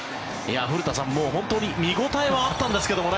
古田さん、本当に見応えはあったんですけどね。